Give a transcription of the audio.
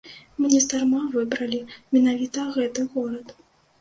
Мы нездарма выбралі менавіты гэты горад.